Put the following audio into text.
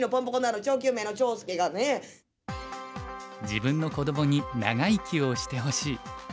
「自分の子どもに長生きをしてほしい」。